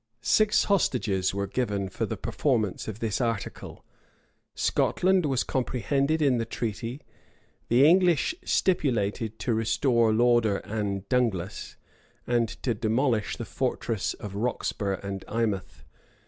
Six hostages were given for the performance of this article. Scotland was comprehended in the treaty: the English stipulated to restore Lauder and Dunglas, and to demolish the fortresses of Roxburgh and Eymouth.